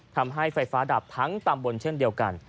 ทำให้ไฟฟ้าดับทั้งตำบลเช่นเดียวกัน